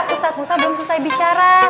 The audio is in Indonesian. ustadz musa belum selesai bicara